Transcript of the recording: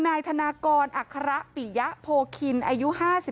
นายธนากรอัคระปิยะโพคินอายุ๕๓